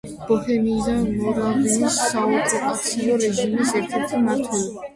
ბოჰემიის და მორავიის საოკუპაციო რეჟიმის ერთ-ერთი მმართველი.